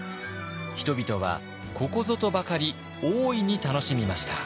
人々はここぞとばかり大いに楽しみました。